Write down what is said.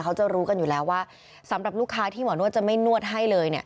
เขาจะรู้กันอยู่แล้วว่าสำหรับลูกค้าที่หมอนวดจะไม่นวดให้เลยเนี่ย